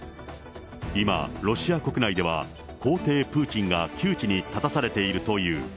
今、ロシア国内では、皇帝・プーチンが窮地に立たされているという。